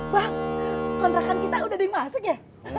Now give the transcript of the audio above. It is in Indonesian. bang penerakan kita udah ada yang masuk ya